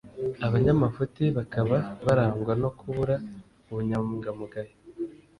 Abanyamafuti bakaba barangwa no kubura ubunyangamugayo,